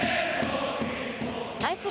対する